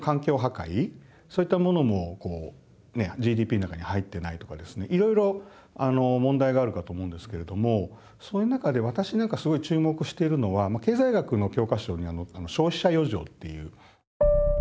それが大前提になってまして例えばあとはそのいろいろ問題があるかと思うんですけれどもそういう中で私なんかすごい注目してるのは経済学の教科書に「消費者余剰」っていう。